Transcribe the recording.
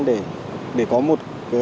để có một